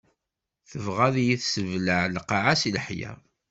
Tebɣa ad iyi-tessebleɛ lqaɛa si leḥya.